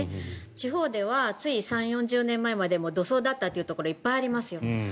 地方ではつい３０４０年前まで土葬だったというところいっぱいありますよ。